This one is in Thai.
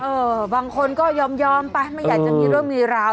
บางคนก็ยอมไปไม่อยากจะมีเรื่องมีราว